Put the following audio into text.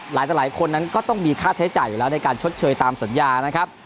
หลายคนนั้นก็ต้องมีค่าใช้จ่ายอยู่แล้วในการชดเชยตามสัญญานะครับ